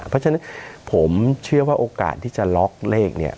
เพราะฉะนั้นผมเชื่อว่าโอกาสที่จะล็อกเลขเนี่ย